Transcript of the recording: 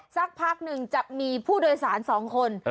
สักพักหนึ่งจะมีผู้โดยสาร๒คน